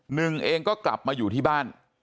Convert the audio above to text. หนึ่งเองก็กลับมาอยู่ที่บ้าน